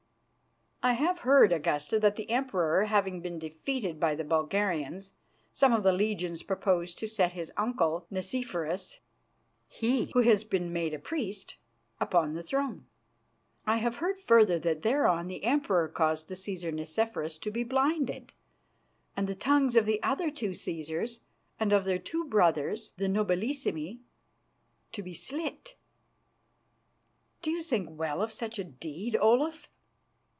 "I have heard, Augusta, that the Emperor having been defeated by the Bulgarians, some of the legions proposed to set his uncle, Nicephorus he who has been made a priest upon the throne. I have heard further that thereon the Emperor caused the Cæsar Nicephorus to be blinded, and the tongues of the two other Cæsars and of their two brothers, the Nobilissimi, to be slit." "Do you think well of such a deed, Olaf?"